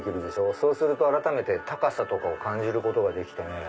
そうすると改めて高さとかを感じることができてね。